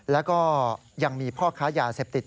แล้วก็ยังมีพ่อค้ายาเสพติด